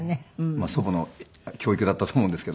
まあ祖母の教育だったと思うんですけど。